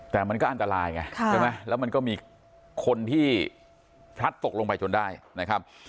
แต่มันก็อันตรายไงใช่ไหมแล้วมันก็มีคนที่พลัดตกลงไปจนได้นะครับ